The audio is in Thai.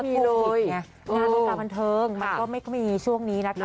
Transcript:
ไม่งั้นคุณป่าววันเทิงมันก็ไม่มีช่วงนี้นะคะ